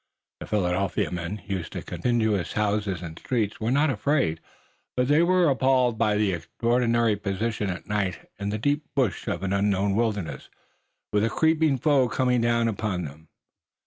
The Philadelphia men, used to contiguous houses and streets, were not afraid, but they were appalled by their extraordinary position at night, in the deep brush of an unknown wilderness with a creeping foe coming down upon them.